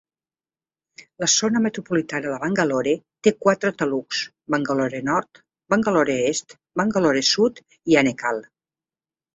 La zona metropolitana de Bangalore té quatre taluks: Bangalore Nord, Bangalore Est, Bangalore Sud i Anekal.